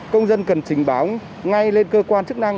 công dân cần trình báo ngay lên cơ quan chức năng